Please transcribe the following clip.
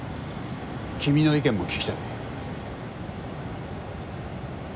君の意見も聞きたい。